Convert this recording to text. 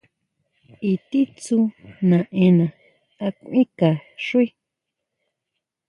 ¿I titsú naʼenna a kuinʼka xuí.